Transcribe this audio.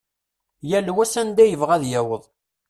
Yal wa s anda yebɣa ad yaweḍ.